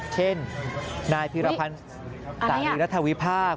เช่นนายพิรพันธุ์ต่างอื่นรัฐวิพาค